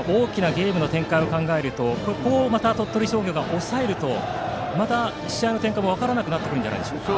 ゲームの展開を考えるとここ、また鳥取商業が抑えるとまた試合の展開も分からなくなるんじゃないですか。